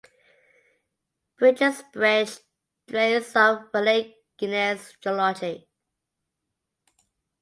Bridges Branch drains of Raleigh Gneiss geology.